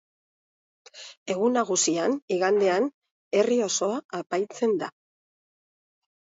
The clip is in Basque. Egun nagusian, igandean, herri osoa apaintzen da.